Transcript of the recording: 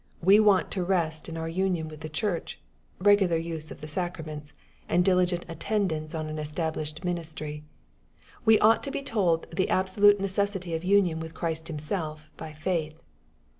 We want to rest in our union with the church, regular use of the sacraments, and diligent attendance on an established ministry. We ought to be told the absolute necessity of union with Christ Himself by faith.